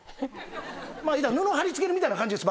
いうたら布張り付けるみたいな感じです。